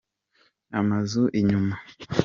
amuza inyuma.